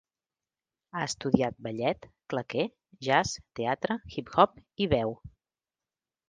Ha estudiat ballet, claqué, jazz, teatre, hip-hop i veu.